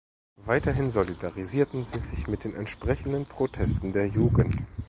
Weiterhin solidarisierten sie sich mit entsprechenden Protesten der Jugend.